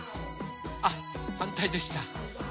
あっはんたいでした。